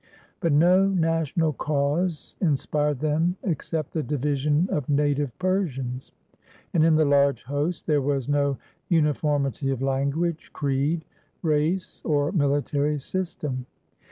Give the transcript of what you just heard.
But no national cause inspired them except the division of na tive Persians; and in the large host there was no uni formity of language, creed, race, or military system.